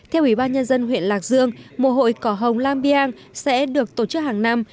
theo ủy ban nhân dân huyện lạc dương mùa hội cỏ hồng lam biang sẽ được tổ chức hàng năm